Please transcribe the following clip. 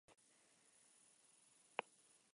Casado en Buenos Aires con Raquel Bilbao Arana.